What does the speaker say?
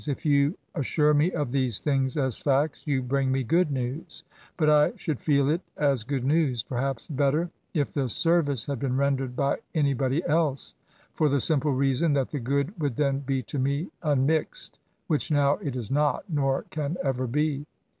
If you assure me of these thii^gs as fiicts, you bring me go6d nexru. But I fthould, feel it as good news — ^peifhc^ better * if the ser* vice had been rendered by anybody else; for the simple reason that the good wou)d then be to me unmixed, which now it is not, nor can ever be.